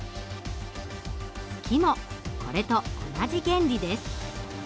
月もこれと同じ原理です。